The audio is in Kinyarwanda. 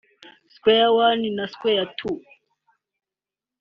Square One na Square Two